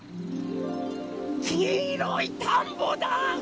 きいろいたんぼだ！